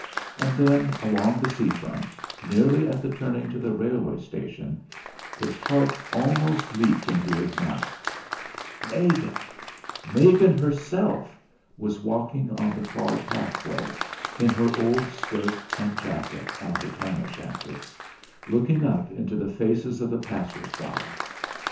And, then, along the sea front, nearly at the turning to the railway station, his heart almost leaped into his mouth. Megan Megan herself! was walking on the far pathway, in her old skirt and jacket and her tam o' shanter, looking up into the faces of the passers by.